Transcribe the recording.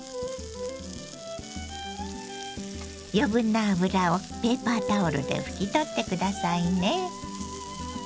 余分な油をペーパータオルで拭き取って下さいね。